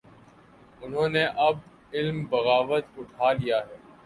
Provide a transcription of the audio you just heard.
انہوں نے اب علم بغاوت اٹھا لیا ہے۔